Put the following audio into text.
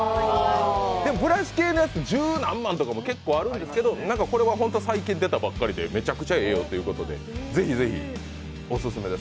でも、ブラシ系のやつって十何万のもあるんですけどこれは本当に最近出たばっかりでめちゃくちゃええよということでぜひぜひオススメです。